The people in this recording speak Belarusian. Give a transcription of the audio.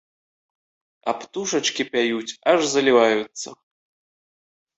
А птушачкі пяюць, аж заліваюцца!